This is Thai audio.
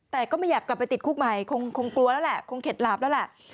แต่ก็ไม่อยากกลับไปติดคุกใหม่คงกลัวแล้วแหละคงเข็ดหลาบแล้วแหละ